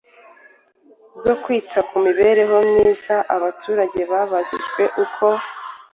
zo kwita ku mibereho myiza abaturage babajijwe uko